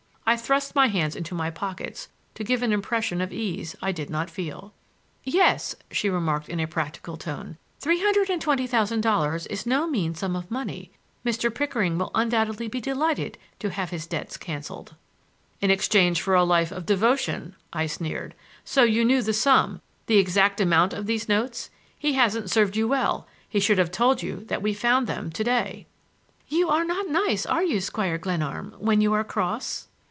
I thrust my hands into my pockets to give an impression of ease I did not feel. "Yes," she remarked in a practical tone, "three hundred and twenty thousand dollars is no mean sum of money. Mr. Pickering will undoubtedly be delighted to have his debts canceled—" "In exchange for a life of devotion," I sneered. "So you knew the sum—the exact amount of these notes. He hasn't served you well; he should have told you that we found them to day." "You are not nice, are you, Squire Glenarm, when you are cross?"